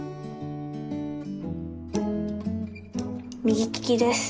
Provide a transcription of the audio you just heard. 右利きです。